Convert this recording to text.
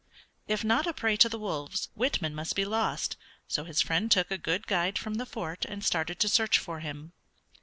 If not a prey to the wolves, Whitman must be lost; so his friend took a good guide from the Fort and started to search for him.